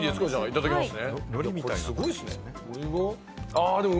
いただきます。